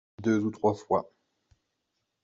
Deux ou trois fois.